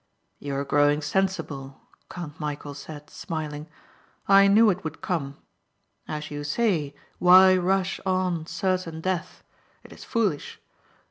"You are growing sensible," Count Michæl said smiling. "I knew it would come. As you say, why rush on certain death? It is foolish.